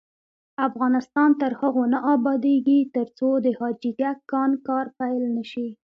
افغانستان تر هغو نه ابادیږي، ترڅو د حاجي ګک کان کار پیل نشي.